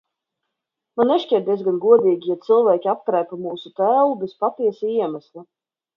Man nešķiet diezgan godīgi, ja cilvēki aptraipa mūsu tēlu bez patiesa iemesla.